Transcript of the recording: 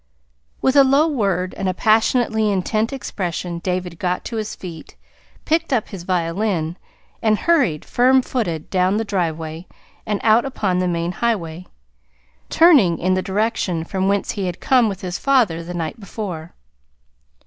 With a low word and a passionately intent expression, David got to his feet, picked up his violin, and hurried, firm footed, down the driveway and out upon the main highway, turning in the direction from whence he had come with his father the night before.